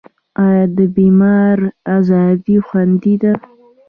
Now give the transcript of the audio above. آیا د بیان ازادي خوندي ده؟